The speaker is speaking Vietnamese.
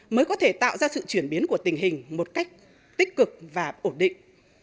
mới có thể tạo ra sự chuyển biến của tình hình một cách tích cực và ổn định